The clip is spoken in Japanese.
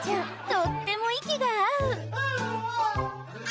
とっても息が合うアア。